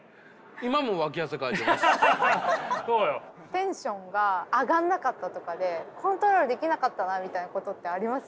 テンションが上がらなかったとかでコントロールできなかったなみたいなことってあります？